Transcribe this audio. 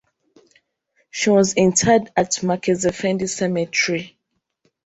She was interred at Merkezefendi Cemetery.